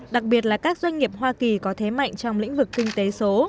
đặc biệt là các doanh nghiệp hoa kỳ có thế mạnh trong lĩnh vực kinh tế số